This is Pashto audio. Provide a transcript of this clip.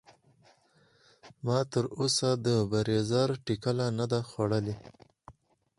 ما تر اوسه د بریځر ټکله نده خودلي.